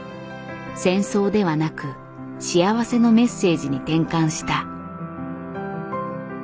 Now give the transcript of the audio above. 戦争ではなく幸せのメッセージに転換した。